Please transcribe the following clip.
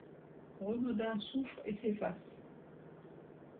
Renaudin souffre et s'efface.